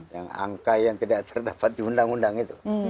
yang angka yang tidak terdapat di undang undang itu